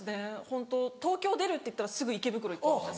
ホント東京出るっていったらすぐ池袋行ってました。